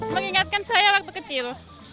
mengingatkan saya waktu kecil